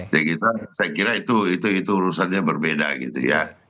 saya kira itu urusannya berbeda gitu ya